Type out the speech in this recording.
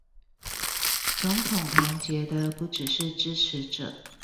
總統團結的不只是支持者